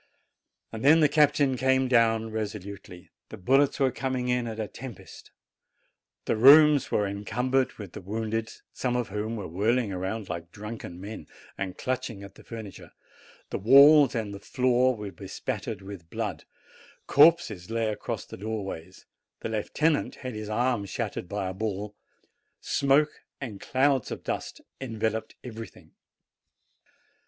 Then the captain came down resolutely; the bullets THE SARDINIAN DRUMMER BOY 103 were coming in a tempest; the rooms were encum bered with the wounded, some of whom were whirl ing round like drunken men, and clutching at the fur niture; the walls and the floor were bespattered with blood; corpses lay across the doorways; the lieuten ant had had his arm shattered by a ball; smoke and clouds of dust enveloped everything.